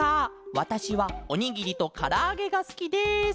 わたしはおにぎりとからあげがすきです」。